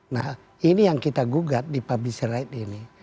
nah ini yang kita gugat di publisher rights ini